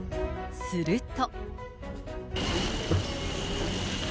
すると。